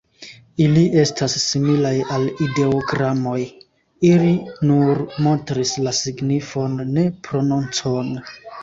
Ili estas similaj al ideogramoj: ili nur montris la signifon, ne prononcon.